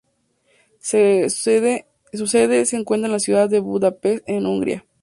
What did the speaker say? Su sede se encuentra en la ciudad de Budapest en Hungría.